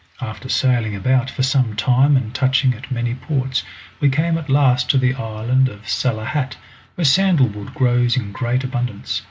After sailing about for some time and touching at many ports we came at last to the island of Salahat, where sandal wood grows in great abundance.